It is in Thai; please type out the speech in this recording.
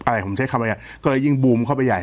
อะไรผมใช้คำอะไรอ่ะก็เลยยิ่งบูมเข้าไปใหญ่